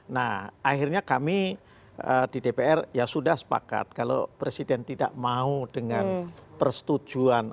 nah akhirnya kami di dpr ya sudah sepakat kalau presiden tidak mau dengan persetujuan